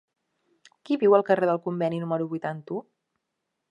Qui viu al carrer del Conveni número vuitanta-u?